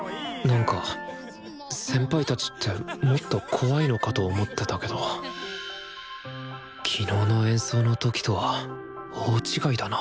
なんか先輩たちってもっと怖いのかと思ってたけど昨日の演奏の時とは大違いだな